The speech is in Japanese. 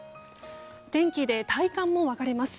天気で体感も分かれます。